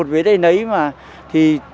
về đây lấy mà thì